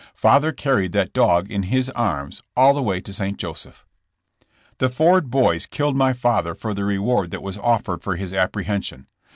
Father carried that dog in his arms all the way to St. Joseph. The Ford boys killed my father for the reward that was offered for his apprehension.